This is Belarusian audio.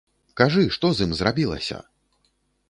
Кажы, што з ім зрабілася?